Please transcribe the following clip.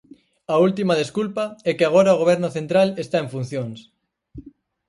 A última desculpa é que agora o Goberno central está en funcións.